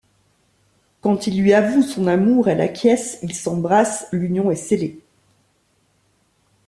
Quand il lui avoue son amour, elle acquiesce, ils s’embrassent, l’union est scellée.